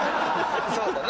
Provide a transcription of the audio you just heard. そうだな。